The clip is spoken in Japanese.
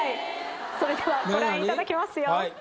それではご覧いただきますよ。